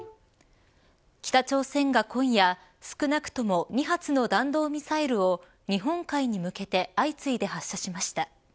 北朝鮮が今夜、少なくとも２発の弾道ミサイルを日本海に向けて相次いで発射しました。